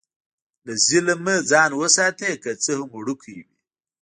له ظلم نه ځان وساته، که څه هم وړوکی وي.